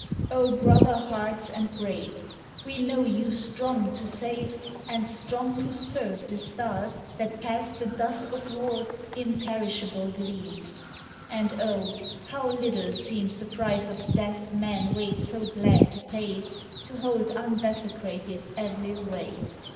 102 I'HE FLEET O brother hearts and brave, We know you strong to save, And strong to serve the Star That past the dusk of war Imperishable gleams. And OI how little seems The price of death men wait so glad to pay To hold undesecrated every ray!